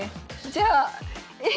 じゃあえ？